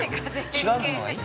違うのがいい？